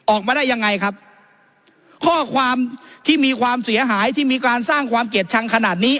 ออกมาได้ยังไงครับข้อความที่มีความเสียหายที่มีการสร้างความเกลียดชังขนาดนี้